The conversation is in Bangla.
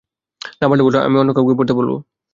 না পারলে বল, আমি অন্য কাউকে পড়তে বলব।